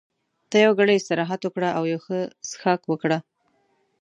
ته یو ګړی استراحت وکړه او یو څه څښاک وکړه.